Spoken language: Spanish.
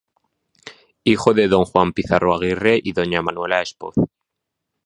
Hijo de don Juan Pizarro Aguirre y doña Manuela Espoz.